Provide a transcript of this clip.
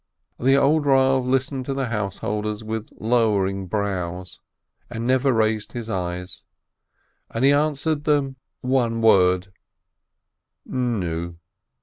The old Rav listened to the householders with low ering brows, and never raised his eyes, and he answered them one word : "Nu!"